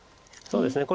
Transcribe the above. そうですね